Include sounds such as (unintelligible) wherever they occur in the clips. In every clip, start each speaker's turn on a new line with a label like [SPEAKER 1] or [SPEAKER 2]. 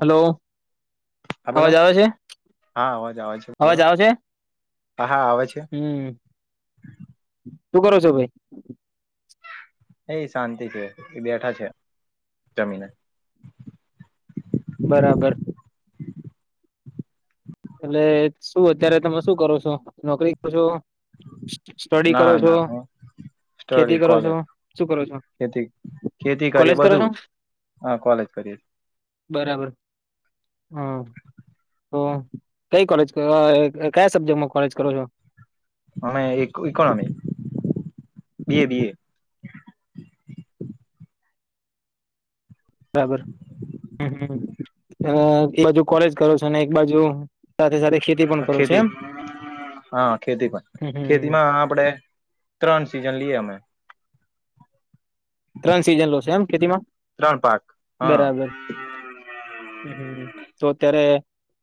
[SPEAKER 1] Hello
[SPEAKER 2] હા બોલો
[SPEAKER 1] અવાજ આવે છે
[SPEAKER 2] હા અવાજ અવાજ છે બોલો
[SPEAKER 1] આવે છે
[SPEAKER 2] હા હા આવે છે
[SPEAKER 1] તું કરો છો ભાઈ
[SPEAKER 2] એ શાંતિ છે એ બેઠા છે જમીને
[SPEAKER 1] બરાબર એટલે શું અત્યારે તમે શું કરો છો નોકરી કર છો સ્ટડી
[SPEAKER 2] ના
[SPEAKER 1] કરો છો
[SPEAKER 2] ના હું
[SPEAKER 1] ખેતી
[SPEAKER 2] સ્ટડી
[SPEAKER 1] કરો છો
[SPEAKER 2] કોલેજ
[SPEAKER 1] શું કરો છો
[SPEAKER 2] ખેતી ખેતી કરીએ
[SPEAKER 1] કોલેજ કરો છો
[SPEAKER 2] બધું હા કોલેજ કરીિર
[SPEAKER 1] બરાબર હા તો કઈ કોલેજ કયા સબ્જેક્ટમાં કોલેજ કરો છો
[SPEAKER 2] અમે ઇકોનોમિક બી એ બી એ
[SPEAKER 1] બરાબર હ એક બાજુ કોલેજ કરો છો ને એક બાજુ સાથે સાથે ખેતી પણ કરું છ
[SPEAKER 2] ખેતી
[SPEAKER 1] એમ
[SPEAKER 2] હા ખેતી પણ
[SPEAKER 1] હમ
[SPEAKER 2] ખેતી માં આપડે ત્રણ સીઝન લઈએ અમે
[SPEAKER 1] ત્રણ સિઝન લોશે એમ ખેતીમાં
[SPEAKER 2] ત્રણ પાક હા
[SPEAKER 1] બરાબર હ તો અત્યારે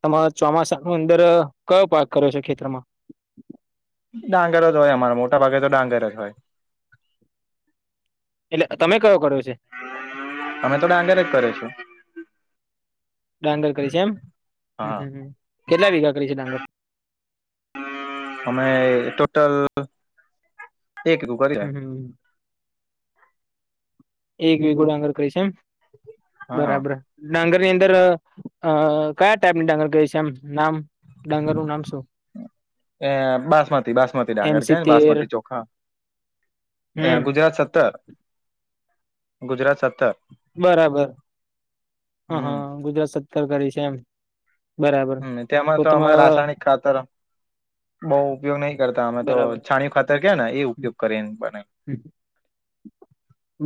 [SPEAKER 1] તમામે ચોમાસા નું અંદર કયો પાક કર્યો છે ખેતરમાં
[SPEAKER 2] ડાંગર જ હોય અમારા મોટા ભાગે તો ડાંગર જ હોય
[SPEAKER 1] એટલે તમે કયો કર્યો છે
[SPEAKER 2] અમે તોોડે આગરે જ કરે છું
[SPEAKER 1] ડાંગર કરી છે એમ હ
[SPEAKER 2] હા
[SPEAKER 1] કેટલા વીઘા કરી છે ડાંગર
[SPEAKER 2] અમે ટોટલ એક કરી
[SPEAKER 1] હમ હમ એક વગો ડાંગર ક છે એમ
[SPEAKER 2] હા
[SPEAKER 1] બરાબર ડાંગર ની અંદર અ કયા ટાઈપની ડાંગર કહે છે એમ નામ ડાંગર નું નામ શું
[SPEAKER 2] એ બાસમતી બાસમતી
[SPEAKER 1] એમ
[SPEAKER 2] ડાંગર કે ને
[SPEAKER 1] સિત્તેર
[SPEAKER 2] બાસમતી ચોખા એ
[SPEAKER 1] હમ
[SPEAKER 2] ગુજરાત સત્તર ગુજરાત સત્તર
[SPEAKER 1] બરાબર હા
[SPEAKER 2] હમ
[SPEAKER 1] હા ગુજરાત સત્કાર કરી છે એમ બરાબર
[SPEAKER 2] હ તેમાં તો અમે રાસાયણિક ખાતર બઉુ ઉપયોગ નહી કરતા અમે તો
[SPEAKER 1] બરાબર
[SPEAKER 2] છાણીય ખાતર કે ને એ
[SPEAKER 1] હમ
[SPEAKER 2] ઉપયોગ કરીને બને
[SPEAKER 1] હમ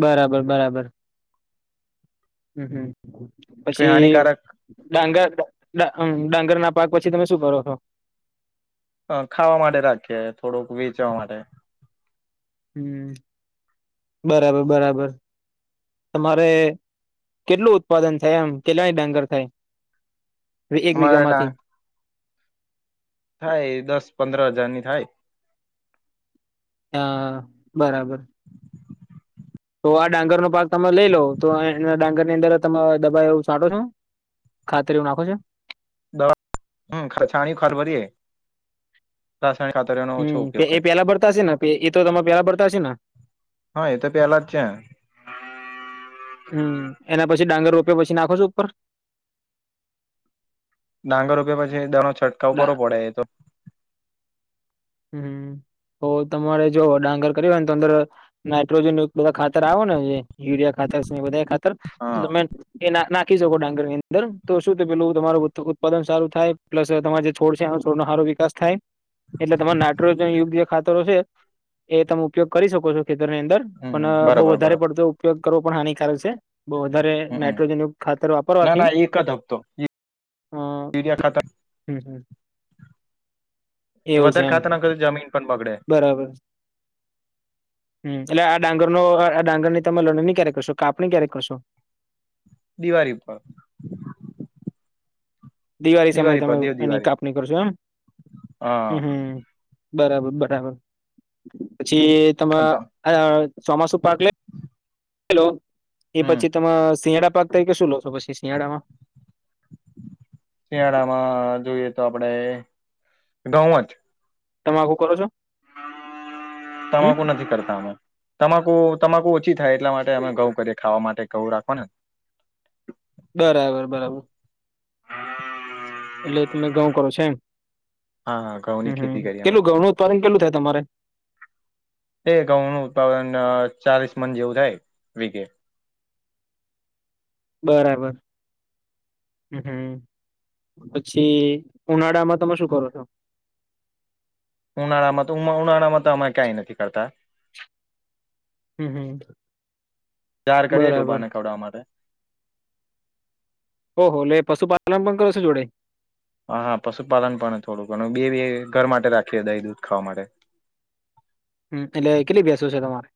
[SPEAKER 1] બરાબર બરાબર હમ હમ
[SPEAKER 2] કોઈ
[SPEAKER 1] પછી
[SPEAKER 2] હાનિકારક
[SPEAKER 1] ડાંગરમ ડાંગર ના પાક પછી તમે શું કરો છો
[SPEAKER 2] અ ખાવા માટે રાખીએ થોડુંક વેચવા માટે
[SPEAKER 1] હમ બરાબર બરાબર તમારે કેટલું ઉત્પાદન થાય એમ કેલાણી ડાંગર થાય એક વિીઘા
[SPEAKER 2] અમારે
[SPEAKER 1] માંથી
[SPEAKER 2] ડાંગ થાય દસ પંદર હજાર ની થાય
[SPEAKER 1] હા બરાબર તો આ ડાંગર નો પાક તમે લઈ લો તો ડાંગર ની અંદર તમે દબાવ એવું છાંટો છો ખાતરી એું નાખો છે
[SPEAKER 2] દવા હ છાણી ખર ભરી હ રાસાયન ખાતરોનો
[SPEAKER 1] હમ એ પેલા ભરતાશે ને એ તો તમે પેલા ભરતાશે ને
[SPEAKER 2] હા એ તો પેલા જ છે
[SPEAKER 1] હમ એના પછી ડાંગર રોપ્યો પછી નાખો છો ઉપર
[SPEAKER 2] ડાંગર રોપ્યા પછી એ દાનો છંટાવ કરવો પડે એ તો
[SPEAKER 1] હમ તો તમારે જો ડાંગર કર હોય ને તો અંદર નાઇટ્રોજન બધા ખાતર આવે ને યુરિયા ખાતર બધા ખાતર તો
[SPEAKER 2] હા
[SPEAKER 1] તમેં એ નાખી શકો ડાંગર ની અંદર તો શું થ પેલું તમારું ઉત્પાદન સારું થાય પ્લસ તમા જે છોડ છે એ છોડ નો સારો વિકાસ થાય એટલે તમારે નાઇટ્રોજન યોગ્ય ખાતરો છે એ તમે ઉપયોગ કરી શકો છો ખેતર ની અંદર પણ
[SPEAKER 2] હમ
[SPEAKER 1] બહુ
[SPEAKER 2] બરાબર
[SPEAKER 1] વધારે
[SPEAKER 2] બરાબર
[SPEAKER 1] પડતો ઉપયોગ કરવો પણ હાનિકારક છે બોવ વધારે
[SPEAKER 2] હમ
[SPEAKER 1] નાઇટ્રોજન યુગ ખાતર
[SPEAKER 2] ના
[SPEAKER 1] વાપરવાથી
[SPEAKER 2] ના એક જ હપ્તો
[SPEAKER 1] અ
[SPEAKER 2] યુરિયા ખાતર
[SPEAKER 1] હમ હમ એવું છે
[SPEAKER 2] વધાર
[SPEAKER 1] એમ
[SPEAKER 2] ખાતર નાખ જમીન પણ બગડે
[SPEAKER 1] બરાબર હમ એટલે આ ડાંગર નો આ ડાંગર ની તમે લણણી ક્યારેક કરશો કાપણી ક્યારેક કરશો?
[SPEAKER 2] દિવાળી પર
[SPEAKER 1] દિવાળી સમયે
[SPEAKER 2] પર
[SPEAKER 1] તમે
[SPEAKER 2] દેવ
[SPEAKER 1] એની
[SPEAKER 2] દિવાળી
[SPEAKER 1] કાપણી કરશો એમ હમ
[SPEAKER 2] હા
[SPEAKER 1] હમ બરાબર બરાબર પછી ત
[SPEAKER 2] અંત
[SPEAKER 1] ચોમાસુ પાર્ક લે લો એ
[SPEAKER 2] હમ
[SPEAKER 1] પછી તમે શિયાળા પાક તરીકે શું લો છો પછી શિયાળામાં
[SPEAKER 2] શિયાળામાં જોઈએ તો આપડે ઘઉં જ
[SPEAKER 1] તમે આખું કરો છો હમ
[SPEAKER 2] તમાકુ નથી કરતા અમે તમાકુ તમાકુ ઓછી થાય એટલા માટે અમે ઘઉં કરી ખાવા માટે ઘઉ રાખવા ને
[SPEAKER 1] બરાબર બરાબર એટલે તમે ઘઉ કરો છોએમ
[SPEAKER 2] હા હા
[SPEAKER 1] હમમ કેટલું ઘઉનું ઉત્પાદન કેટલું થાય તમારે
[SPEAKER 2] એ ઘઉં નું ઉત્પાદન ચાલીસ મન જેવું થાય વીગે
[SPEAKER 1] બરાબર હ હમ પછી ઉનાળામાં તમે શું કરો છો
[SPEAKER 2] ઉનાળામાં તો ઉનાળામાં તો અમે કંઈ નથી કરતા
[SPEAKER 1] હમ હમ
[SPEAKER 2] ચાર કરીએ
[SPEAKER 1] બરાબર
[SPEAKER 2] ડોબાને ખવડાવવા માટે
[SPEAKER 1] ઓહ લે પશુપાલન પણ કરો છો જોડે
[SPEAKER 2] હા હા પશુપાલન પણ થોડું ઘણુ બે ઘર માટે રાખીએ દહી દૂધ ખાવા માટે
[SPEAKER 1] હમ એટલે કેટલી ભેંસો છે તમારે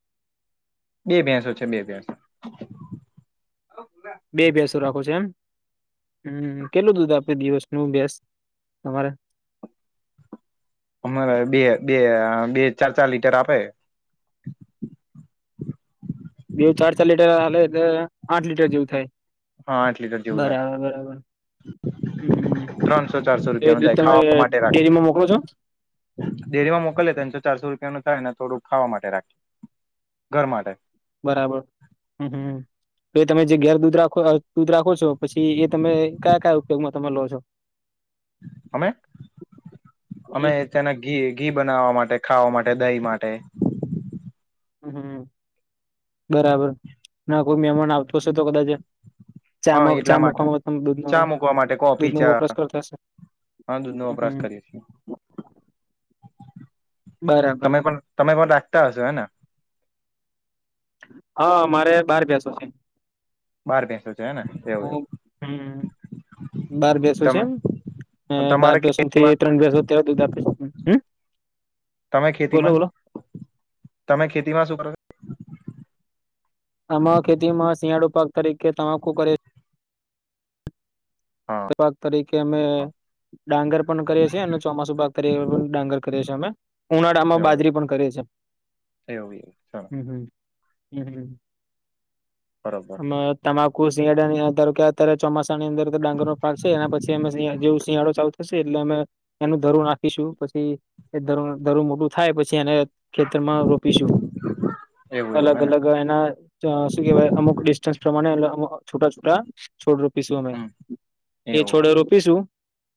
[SPEAKER 2] બે ભેંસો છે બે ભેસો
[SPEAKER 1] બે ભસો રાખો છો એમ હમ કેટલું દૂધ આપે દિવસ નું ભેંસ તમારે
[SPEAKER 2] અમારે બે બે બે ચાર ચાર લીટર આપે
[SPEAKER 1] બેવું ચાર ચાર લીટર હા લે એટલે આઠ લીટર જેવું થાય
[SPEAKER 2] હા આઠ લીટર જેવું થાય
[SPEAKER 1] બરાબર બરાબર
[SPEAKER 2] ત્રણસો ચારસો
[SPEAKER 1] એ
[SPEAKER 2] રૂપિયા નું
[SPEAKER 1] દુધ
[SPEAKER 2] થાય
[SPEAKER 1] તમે
[SPEAKER 2] ખાવા માટે રાખીએ
[SPEAKER 1] ડેરીમાં મોકલો છો.
[SPEAKER 2] ડેરીમાં મોકલી ત્રસો ચારસો રૂપિયા નું થાય થોડુંક ખાવા માટે રાખી. ઘર માટે
[SPEAKER 1] બરાબર હમ હમ તો તમે જે ઘેર દૂધ રાખો દૂધ રાખો છો પછી એ તમે કયા કયા ઉપયોગમાં તમે લો છો
[SPEAKER 2] અમે અમે
[SPEAKER 1] હમ
[SPEAKER 2] તેના ઘી ઘી બનાવવા માટે ખાવા માટે દહી માટે
[SPEAKER 1] હમ બરાબર ના કોઈ મહેમાન આવતો હશે તો કદાચ.
[SPEAKER 2] હા
[SPEAKER 1] ચામા
[SPEAKER 2] એટલા
[SPEAKER 1] ચા
[SPEAKER 2] માટે
[SPEAKER 1] મુકવામાં તમ દૂધ ન
[SPEAKER 2] ચા મૂકવા માટે
[SPEAKER 1] દૂધ
[SPEAKER 2] કોફી
[SPEAKER 1] નો
[SPEAKER 2] ચા
[SPEAKER 1] વપરાશ કરતાશે.
[SPEAKER 2] હા દૂધ નો વપરાશ કરીએ છીએ.
[SPEAKER 1] બરાબર
[SPEAKER 2] તમે પણ તમે પણ રાખતા હશો ને.
[SPEAKER 1] હા મારે બાર ભૈસો છે.
[SPEAKER 2] બાર ભૈસો છે હે ને એવું એવું.
[SPEAKER 1] હું હમ બાર ભૈસો છે
[SPEAKER 2] તમે
[SPEAKER 1] એમ. અ
[SPEAKER 2] તમારે
[SPEAKER 1] બાર ભૈસો
[SPEAKER 2] ખેતીમાં
[SPEAKER 1] થી ત્રણ ભૈસો દિવસ અત્યારે દૂધ આપી છે હ
[SPEAKER 2] તમે ખેતીમાં તમે ખેતીમાં શું કરો. છો
[SPEAKER 1] આમાં ખેતી માં શિયાળુ પાક તરીકે તમાકુ કરે.
[SPEAKER 2] હા
[SPEAKER 1] ભાગ તરીકે અમે. ડાંગર પણ કરીએ છીએ અને ચોમાસું ભાગ કરી પણ ડાંગર કરીએ છીએ અમે. ઉનાળામાં બાજરી પણ કરીએ છે.
[SPEAKER 2] અયવગવું શોણો (inaudible)
[SPEAKER 1] હમ હમ.
[SPEAKER 2] ચાલો બરોબર
[SPEAKER 1] આમાં. તમાકુ શિયાળા ના આધાર તારે ચમાસા આ ડાંગરો. પાકશે છે એના પછી અમે જેવ શિયાળો ચાલુ થશે એટલે અમે એનું ધરો નાખીશું પછી એ ઘરુ ઘરુ મોટું થાય પછી એ ખેતરમાં રોપીશું
[SPEAKER 2] એવું એવું
[SPEAKER 1] અલગ
[SPEAKER 2] હેને
[SPEAKER 1] અલગ એના શું કેવાય અમુક ડિસ્ટસ પ્રમાણે છૂટા છોટા છોડ રોપીશું અમે.
[SPEAKER 2] હમ
[SPEAKER 1] એ
[SPEAKER 2] એવું
[SPEAKER 1] છોડે રોપીશું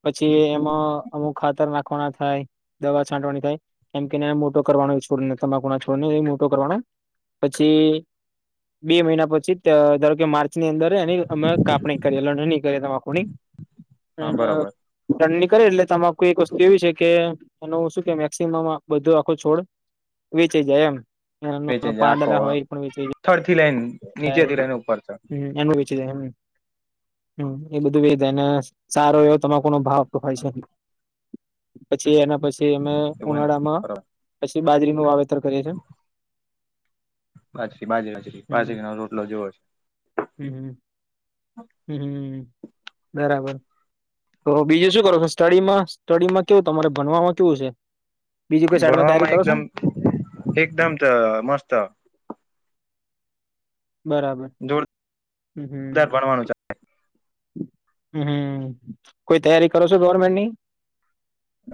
[SPEAKER 1] પછી એમાં અમુક ખાતર નાખવાના થાય. દવા છાંટવાની થાય કેમ કેને મોટો કરવાનો હોય છોડને તમાકુના છોડ મોટો કરવાનો. પછી. બે મહિના પછી ધારો કે માર્ચની અંદર એની અમે કાપણી કરી. નહીં તમા (inaudible) કોણી
[SPEAKER 2] હા બરોબર
[SPEAKER 1] કરીળી કરે એટલે તમારું એક વસ્તુ એવી છે કે. એનો હું શું કે મેક્સિમમ બધું આખો છોડ વેચી જાય એમ.
[SPEAKER 2] વેચે
[SPEAKER 1] એમના
[SPEAKER 2] છે આખો
[SPEAKER 1] પાંદડા હોય એ પણ વેચીય જાય.
[SPEAKER 2] થડ થી લ‌ઈન.
[SPEAKER 1] હમ એનું વિચી એમ. હમ એ બધું વેધાય ને સારો એવો તમાકુ નો ભાવ હોય છે. પછી એના પછી અમે
[SPEAKER 2] એવું હોય ને
[SPEAKER 1] ઉનાળામાં
[SPEAKER 2] બરોબર
[SPEAKER 1] પછી બાજરીનું વાવેતર કરીએ છી.
[SPEAKER 2] બાજરી બાજરી બારી
[SPEAKER 1] હમ
[SPEAKER 2] બાજરી ના રોટલો જોવો છે.
[SPEAKER 1] હમ હમ હમ બરાબર. તો બીજું શું કરો સ્ટડીમાં સ્ટડીમાં કેવું તમારે ભણવામાં કેવું છે. બીજી કોઈ સાઈડમાં તૈયારી
[SPEAKER 2] ભણવામાં
[SPEAKER 1] કરો છો?
[SPEAKER 2] એકદમ એકદમ અ મસ્ત.
[SPEAKER 1] બરાબર હમ્મ.
[SPEAKER 2] જોરદાર ભણવાનું છે
[SPEAKER 1] મ કોઈ તૈયારી કરો છો ગવર્મેન્ટની?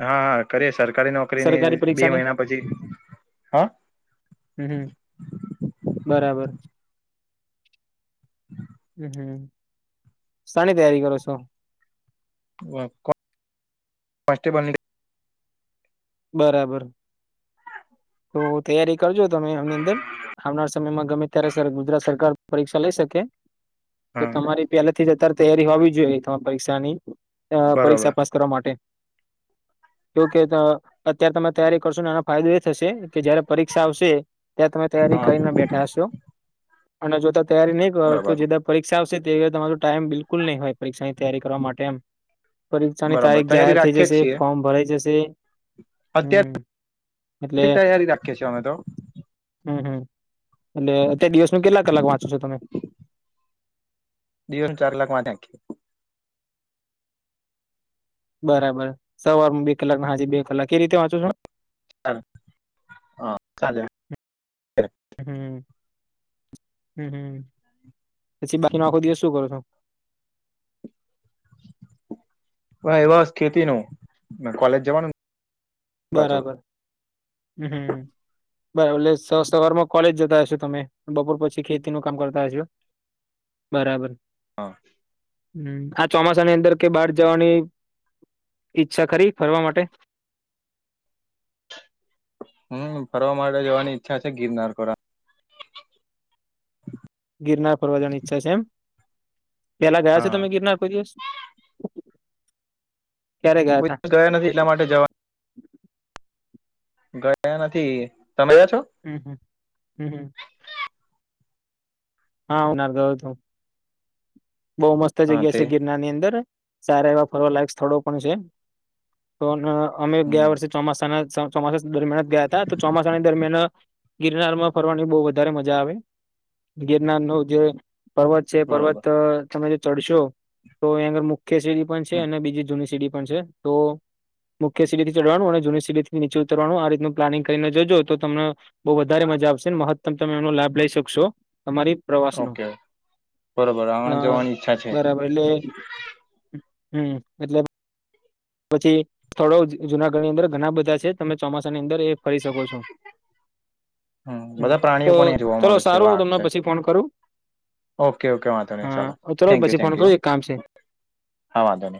[SPEAKER 2] હા હા કરીએે સરકારી નોકરીની
[SPEAKER 1] સરકારી
[SPEAKER 2] બે
[SPEAKER 1] પરીક્ષાની?
[SPEAKER 2] મહિના પછી હ.
[SPEAKER 1] હમ હમ બરાબર.
[SPEAKER 2] (unintelligible) (unintelligible)
[SPEAKER 1] હમ હમ શાની તૈયારી કરો છો.
[SPEAKER 2] કોન્સ્ટેબલ ની.
[SPEAKER 1] બરાબર. તો તૈયારી કરજો તમે આની અંદર. આવનાર સમયમાં ગમે ત્યારે ગુજરાત સરકાર પરીક્ષા લઈ શકે. તો
[SPEAKER 2] હા
[SPEAKER 1] તમારી પેલાથી જ અત્યાર તૈયારી હોવી જોઈએ તમા પરીક્ષા ની અ
[SPEAKER 2] બરોબર
[SPEAKER 1] પરીક્ષા પાસ. કરવા માટે એવું કેતા અત્યારે તમે તૈયારી કરશો ને એનો ફાયદો. થશે કે જયારે પરીક્ષા આવશે ત્યારે તમે તૈયારી
[SPEAKER 2] હા
[SPEAKER 1] કરીને બેઠા હશો. અને જોતા તૈયારી નહી કરો તો
[SPEAKER 2] બરોબર
[SPEAKER 1] જ પરીક્ષા આવશે તે તમારો ટાઈમ બિલકુલ નહી હોય, પરીક્ષાની તૈયારી કરવા માટે એમ પરીક્ષાની
[SPEAKER 2] બરોબર
[SPEAKER 1] તારીખ
[SPEAKER 2] તૈયારી
[SPEAKER 1] જાહેર થઈ
[SPEAKER 2] રાખીએ જ
[SPEAKER 1] જશે
[SPEAKER 2] છીએ
[SPEAKER 1] ફોર્મ ભરાઈ જશે
[SPEAKER 2] અત્યારથી
[SPEAKER 1] હમ એટલે
[SPEAKER 2] તૈયારી રાખીએ છીએ, અમે તો
[SPEAKER 1] હમ, હમ એટલે અત્યારે દિવસ નું કેટલા કલાક વાંચો છો, તમે
[SPEAKER 2] દિન ચાર લાખ મા્યા આખી
[SPEAKER 1] બરાબર સવાર બે કલાક હાજી બે કલાક કેવી રીતે વાંચું છો.
[SPEAKER 2] હા ક
[SPEAKER 1] હમ હમમ પછી બાકીનો આખો દિવસ શું કરો છો.
[SPEAKER 2] હ એ બસ ખેતી ન કોલેજ જવાનુ
[SPEAKER 1] બરાબર હમ બરા એટલે સવારમાં કોલેજ જતા હશો તમે બપોર પછી ખેતી નું કામ કરતા હશો. બરાબર
[SPEAKER 2] હા.
[SPEAKER 1] હ આ ચોમાસા ની અંદર કે બહાર જવાની. ઈચ્છા કરીરી ફરવા માટે
[SPEAKER 2] હમ ફરવા માટે જવાની ઈચ્છા છે, ગિરનાર ખોરા
[SPEAKER 1] ગિરનાર ફરવા જવાની ઈચ્છા છે, એમ પેલા ગયા છેો
[SPEAKER 2] હા
[SPEAKER 1] તમે ગિરનાર કોઈ દિવસ ક્યારે
[SPEAKER 2] બ
[SPEAKER 1] તા
[SPEAKER 2] ગયા નથી એટલા માટે જવા ગયા નથી તમેયા છો.
[SPEAKER 1] હમ હમ હમ હમ હા ઉનારગયો હતુ, બહુ મસ્ત
[SPEAKER 2] હા
[SPEAKER 1] જગ્યા
[SPEAKER 2] તે
[SPEAKER 1] છે. ગિરનાર ની અંદર સારા એવા ફરવા લાયક સ્થળો પણ છે, તો અમે ગયા
[SPEAKER 2] હમ
[SPEAKER 1] વર્ષે ચોમાસાના ચોમાસા દરમિયાન જ ગયા હતા તો ચોમાસાની દરમિયાન ગિરનાર માં ફરવાની બહ વધારે મજા આવે ગિરનાર નો જે પર્વત છે પર્વત
[SPEAKER 2] બરોબર
[SPEAKER 1] તમે જે ચડશો તો એંયા આગળ મુખ મુખ્ય સીડી પણ છે અને બીજી જૂની સીડી પણ છે, તો મુખ્ય સીડીથી ચડવાનું અને જૂની સીડીથીનીચે ઉતરવાનું આ રીતનું પ્લાનિંગ કરીને જોજો તો તમમે બહ વધારે મજા આવશેને મહત્તમ તમે એમનો લાભ લઈ શકશો તમારી પ્રવાસનો
[SPEAKER 2] ઓકે બરોબર આણંદ
[SPEAKER 1] હા,
[SPEAKER 2] જવાની ઈચ્છા છે
[SPEAKER 1] બરાબર એટલે હમ, એટલે પછી થથળો જુનાગઢની અંદર ઘણા બધા છે તમે ચોમાસાની અંદર એ ફરી શકો છો.
[SPEAKER 2] હમ બધા
[SPEAKER 1] તો
[SPEAKER 2] પ્રાણીઓ પણ એ જોવા
[SPEAKER 1] ચલો
[SPEAKER 2] મળે છે
[SPEAKER 1] સારું હુ,
[SPEAKER 2] વાઘ
[SPEAKER 1] તમને
[SPEAKER 2] છે
[SPEAKER 1] પછી ફોન કરુ
[SPEAKER 2] ઓકે ઓકે વાંધો ન ચાલો
[SPEAKER 1] ચલો
[SPEAKER 2] થેન્ક યુ
[SPEAKER 1] પછી
[SPEAKER 2] થન્ક
[SPEAKER 1] ફોન કરું
[SPEAKER 2] યુ
[SPEAKER 1] એક કામ છે
[SPEAKER 2] હા હા વાંધવ ન